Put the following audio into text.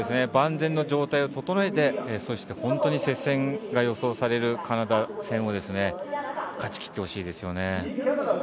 万全の状態を整えて本当に接戦が予想されるカナダ戦を勝ち切ってほしいですよね。